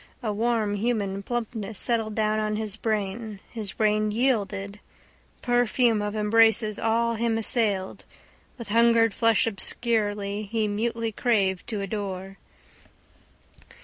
A warm human plumpness settled down on his brain. His brain yielded. Perfume of embraces all him assailed. With hungered flesh obscurely, he mutely craved to adore.